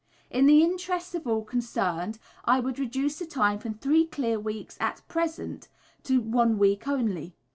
In the interests of all concerned I would reduce the time from three clear weeks, as at present, to one week only.